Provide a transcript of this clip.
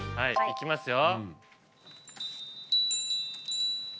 いきますよ。